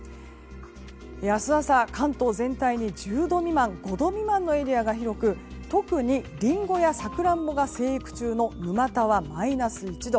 明日朝、関東全体に１０度未満５度未満のエリアが広く特にリンゴやサクランボが生育中の沼田はマイナス１度。